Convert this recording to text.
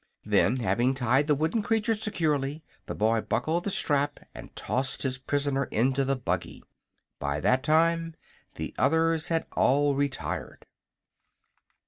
Then, having tied the wooden creature securely, the boy buckled the strap and tossed his prisoner into the buggy. By that time the others had all retired.